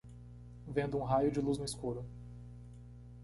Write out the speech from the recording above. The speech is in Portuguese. Vendo um raio de luz no escuro